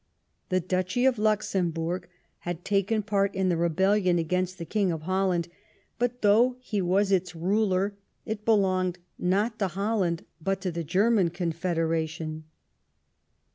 The Duchy of Luxemburg had taken part in the rebellion against the King of Holland, but, though he was its ruler, it belonged not to Holland but to the German Confederation.